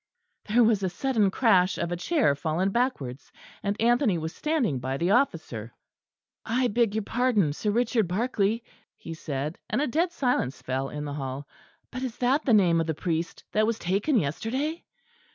There was a sudden crash of a chair fallen backwards, and Anthony was standing by the officer. "I beg your pardon, Sir Richard Barkley," he said; and a dead silence fell in the hall. "But is that the name of the priest that was taken yesterday?"